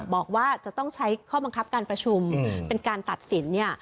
บอกว่าจะต้องใช้ข้อบังคับการประชุมเป็นการตัดสินเนี่ย